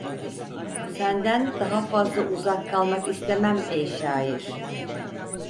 Senden daha fazla uzak kalmak istemem ey şair!